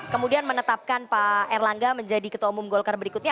kemudian menetapkan pak erlangga menjadi ketua umum golkar berikutnya